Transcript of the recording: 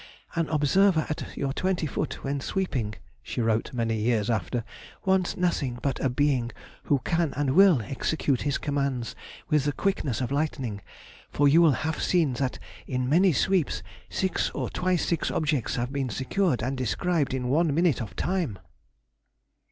"An observer at your twenty foot when sweeping," she wrote many years after, "wants nothing but a being who can and will execute his commands with the quickness of lightning; for you will have seen that in many sweeps six or twice six objects have been secured and described in one minute of time."